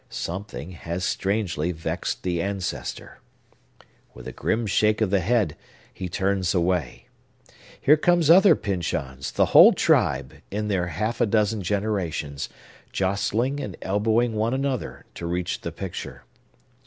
Something has strangely vexed the ancestor! With a grim shake of the head, he turns away. Here come other Pyncheons, the whole tribe, in their half a dozen generations, jostling and elbowing one another, to reach the picture.